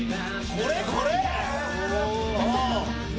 これこれ！